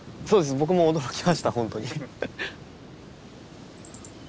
僕も驚きましたほんとに。